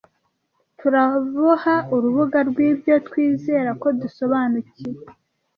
Turaboha urubuga rwibyo twizera ko dusobanukiwe